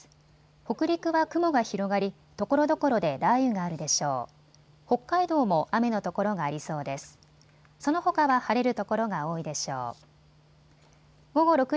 北陸は雲が広がりところどころで雷雨があるでしょう。